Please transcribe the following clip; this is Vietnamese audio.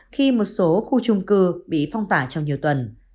khi một số khu trung cư bị phong tỏa trong nhiều tuần